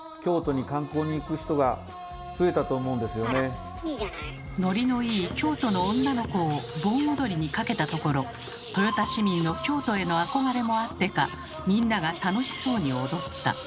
実際「ノリのいい『京都の女の子』を盆踊りにかけたところ豊田市民の京都への憧れもあってかみんなが楽しそうに踊った。